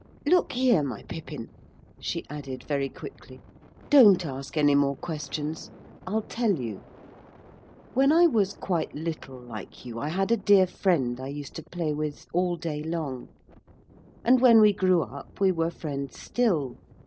Look here, my Pippin,' she added, very quickly, 'don't ask any more questions. I'll tell you. When I was quite little like you I had a dear friend I used to play with all day long, and when we grew up we were friends still.